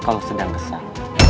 kalau sedang kesal